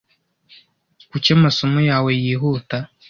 Kuki amasomo yawe yihuta?